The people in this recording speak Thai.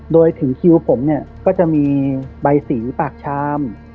โดยถึงคิวผมเนี่ยก็จะมีใบสีปากชาม